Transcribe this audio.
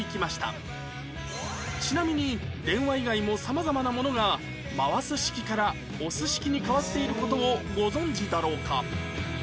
ちなみに電話以外も様々なものが回す式から押す式に変わっている事をご存じだろうか？